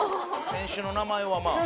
選手の名前はまあ。